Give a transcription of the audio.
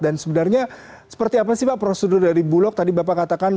dan sebenarnya seperti apa sih pak prosedur dari bulog tadi bapak katakan